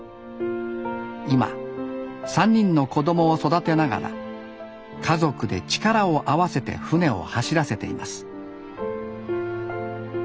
今３人の子供を育てながら家族で力を合わせて舟を走らせています